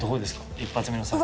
一発目の作品。